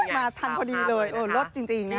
มาทันพอดีเลยโอ้โฮลดจริงนะ